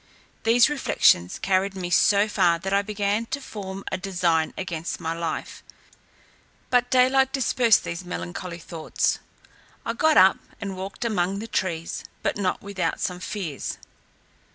These reflections carried me so far, that I began to form a design against my life; but daylight dispersed these melancholy thoughts. I got up, and walked among the trees, but not without some fears.